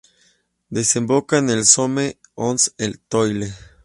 Desemboca en el Somme en l’Étoile.